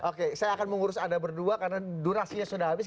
oke saya akan mengurus anda berdua karena durasinya sudah habis